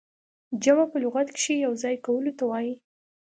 جمع په لغت کښي يو ځاى کولو ته وايي.